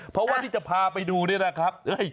เพราะว่าที่จะพาไปดูเนี่ยนะครับ